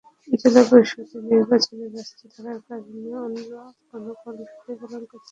জেলা পরিষদের নির্বাচনে ব্যস্ত থাকার কারণে অন্য কোনো কর্মসূচি পালন করতে পারিনি।